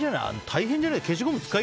大変じゃない？